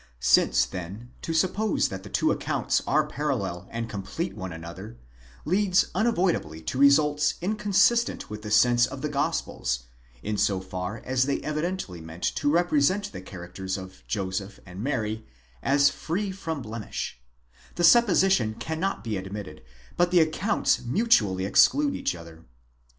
Since then, to suppose that the two accounts are parallel, and complete one another, leads unavoidably to results inconsistent with the sense of the Gospels, in so far as they evidently meant to represent the characters of Joseph and Mary as free from blemish ; the supposition cannot be admitted, but the accounts mutually exclude each other.